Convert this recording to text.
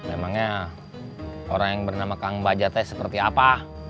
emangnya orang yang bernama kang bajate seperti apa